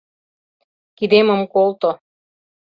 Кидемым колто...